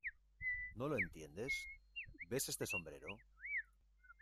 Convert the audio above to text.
¿ No lo entiendes? ¿ ves este sombrero ?